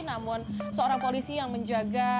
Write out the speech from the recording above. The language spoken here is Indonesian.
namun seorang polisi yang menjaga